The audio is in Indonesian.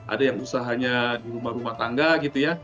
ada yang usahanya di rumah rumah tangga gitu ya